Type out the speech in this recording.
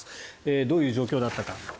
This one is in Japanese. どういう状況だったか。